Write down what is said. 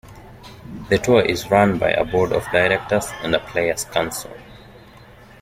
The tour is run by a Board of Directors and a Players' Council.